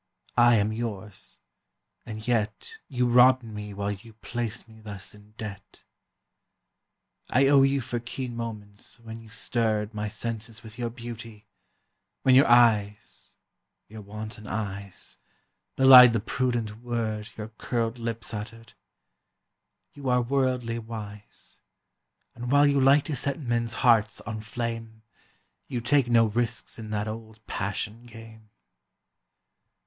I am yours: and yet You robbed me while you placed me thus in debt. I owe you for keen moments when you stirred My senses with your beauty, when your eyes (Your wanton eyes) belied the prudent word Your curled lips uttered. You are worldly wise, And while you like to set men's hearts on flame, You take no risks in that old passion game.